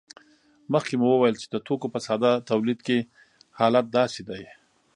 مخکې مو وویل چې د توکو په ساده تولید کې حالت داسې دی